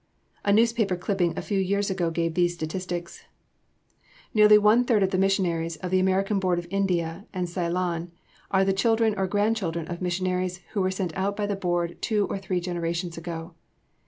A newspaper clipping a few years ago gave these statistics: "Nearly one third of the missionaries of the American Board of India and Ceylon are the children or grandchildren of missionaries who were sent out by the Board two or three generations ago.